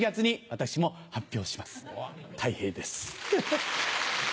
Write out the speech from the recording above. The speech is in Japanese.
たい平です。